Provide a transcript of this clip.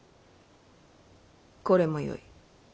これもよい。